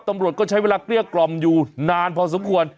ตำรวจก็ใช้เวลาเกลี้ยกล่อมอยู่นานพอสมควร